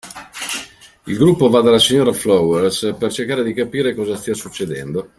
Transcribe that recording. Il gruppo va dalla signora Flowers per cercare di capire cosa stia succedendo.